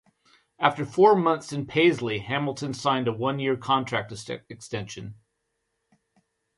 After four months in Paisley, Hamilton signed a one-year contract extension.